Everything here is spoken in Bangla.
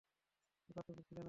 ওটা তুমি ছিলে নাকি?